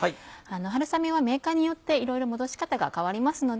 春雨はメーカーによっていろいろ戻し方が変わりますので。